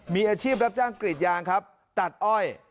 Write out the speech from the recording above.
มีอาชีพรับจ้างกรีดยางครับตัดอ้อย